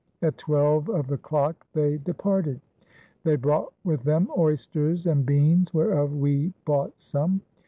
At twelve of the clocke they departed. They brought with them oysters and beanes whereof we bought some."